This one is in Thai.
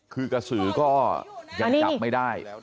คือกระสือก็ยังจับไม่ได้